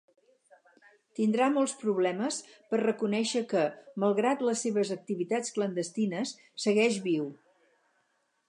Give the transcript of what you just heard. Tindrà molts problemes per reconèixer que, malgrat les seves activitats clandestines, segueix viu.